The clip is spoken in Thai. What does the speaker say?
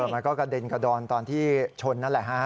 มันก็กระเด็นกระดอนตอนที่ชนนั่นแหละฮะ